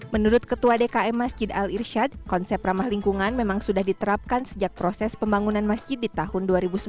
menurut ketua dkm masjid al irshad konsep ramah lingkungan memang sudah diterapkan sejak proses pembangunan masjid di tahun dua ribu sembilan belas